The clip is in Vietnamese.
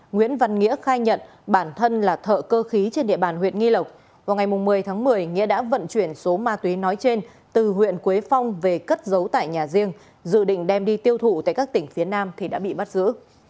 nguyễn văn nghĩa khai nhận bản thân là thợ cơ khí trên địa bàn huyện nghi lộc vào ngày một mươi tháng một mươi nghĩa đã vận chuyển số ma túy nói trên từ huyện quế phong về cất giấu tại nhà riêng dự định đem đi tiêu thụ tại các tỉnh phía nam thì đã bị bắt giữ